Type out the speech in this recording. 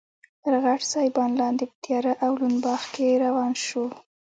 تر غټ سایبان لاندې په تیاره او لوند باغ کې روان شوو.